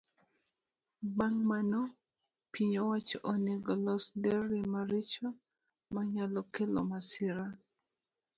Bang' mano, piny owacho onego los nderni maricho manyalo kelo masira.